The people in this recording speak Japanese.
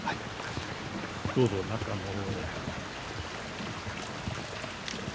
どうぞ中のほうへ。